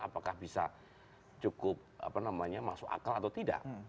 apakah bisa cukup masuk akal atau tidak